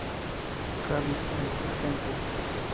Cáliz inexistente.